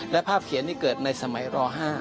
และภาพเขียนนี่เกิดในสมัยร๕